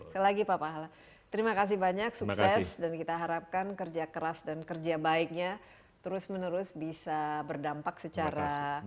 selagi pak pahala terima kasih banyak sukses dan kita harapkan kerja keras dan kerja baiknya terus menerus bisa berdampak secara